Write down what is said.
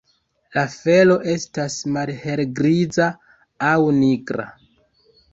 La felo estas malhelgriza aŭ nigra.